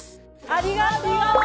ありがと。